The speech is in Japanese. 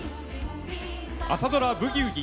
朝ドラ「ブギウギ」。